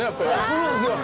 そうなんですよ。